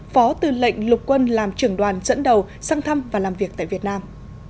phó tư lệnh lục quân làm trưởng đoàn dẫn đầu sang thăm và làm việc tại việt nam